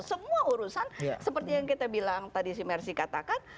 semua urusan seperti yang kita bilang tadi si mersi katakan